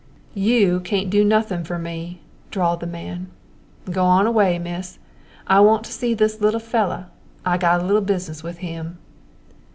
"You cain't do nothin' for me," drawled the man. "Go on away, Miss. I want to see this little fella'. I got a little business with him."